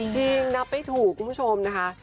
จริงนับไม่ถูกคุณผู้ชมนะคะ